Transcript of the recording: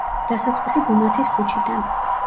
დასაწყისი გუმათის ქუჩიდან.